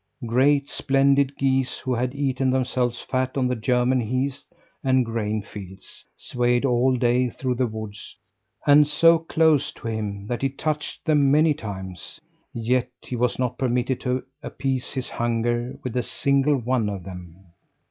Great splendid geese who had eaten themselves fat on the German heaths and grain fields, swayed all day through the woods, and so close to him that he touched them many times; yet he was not permitted to appease his hunger with a single one of them.